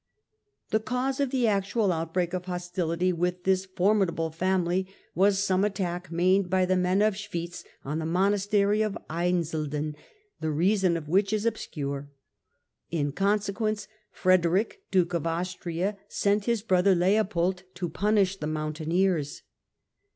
The cause of the actual HaS.rgs outbreak of hostiUty with this formidable family was some attack made by the men of Schwitz on the Mon astery of Einsiedeln, the reason of which is obscure. In consequence, Frederick Duke of Austria sent his brother Leopold to punish the mountaineers.